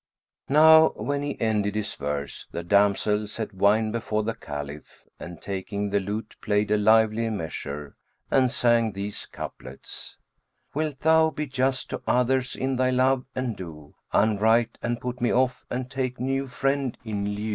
'" Now when he ended his verse, the damsel set wine before the Caliph; and, taking the lute, played a lively measure and sang these couplets, "Wilt thou be just to others in thy love, and do * Unright, and put me off, and take new friend in lieu?